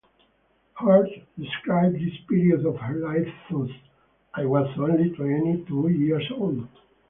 Hart described this period of her life thus: I was only twenty-two years old.